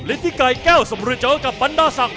ฤทธิ์ไกรแก้วสมฤทธิ์เจอกับบันดาศักดิ์